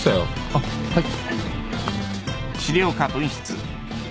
あっはい。